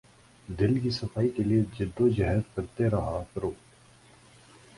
دل کی صفائی کے لیے جد و جہد کرتے رہا کرو